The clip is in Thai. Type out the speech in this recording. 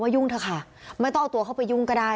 ยุ่งเถอะค่ะไม่ต้องเอาตัวเข้าไปยุ่งก็ได้